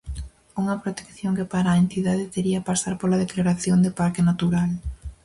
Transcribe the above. Unha protección que para a entidade tería pasar pola declaración de parque natural.